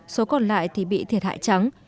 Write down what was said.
số còn lại thì bị thiệt hại trắng